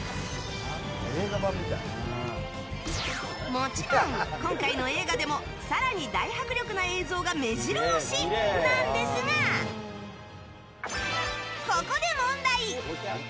もちろん今回の映画でも更に大迫力な映像が目白押しなんですがここで問題！